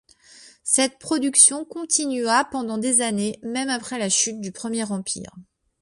Cette production continua pendant des années, même après la chute du Premier Empire.